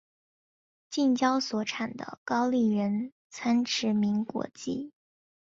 近郊所产的高丽人参驰名国际。